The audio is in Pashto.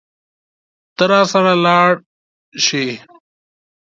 ته راسره لاړ شې.